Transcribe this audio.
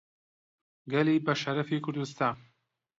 گەلی بەشەڕەفی کوردستان